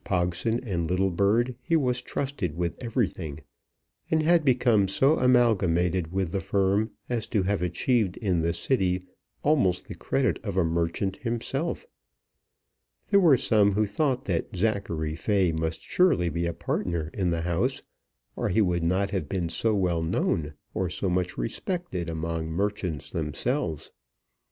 Pogson and Littlebird he was trusted with everything, and had become so amalgamated with the firm as to have achieved in the City almost the credit of a merchant himself. There were some who thought that Zachary Fay must surely be a partner in the house, or he would not have been so well known or so much respected among merchants themselves.